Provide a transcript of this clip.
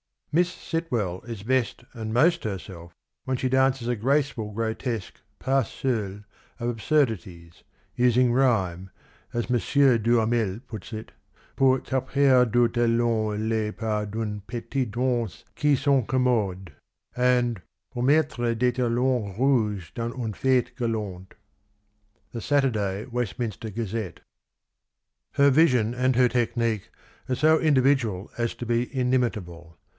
121 " Miss Sitwell is best and most herself when she dances a graceful grotesque pas seiil of absurdities, using rhyme — as Mr. Duhamel puts it, ' pour taper du talon les pas dune petite danse qui s'en accommode,' and ' pour mettre des talons rouges dans une fete galante.' "— The Saturday Westminster Gazette. " Her vision and her technique are so individual as to be inimitable.